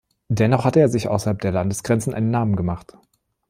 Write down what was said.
Dennoch hatte er sich außerhalb der Landesgrenzen einen Namen gemacht.